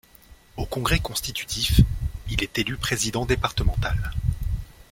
Au congrès constitutif, il est élu président départemental.